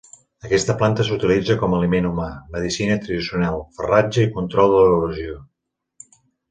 Aquesta planta s'utilitza com aliment humà, medicina tradicional, farratge i control de l'erosió.